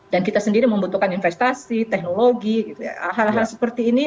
dan kita sendiri membutuhkan investasi teknologi gitu ya hal hal seperti ini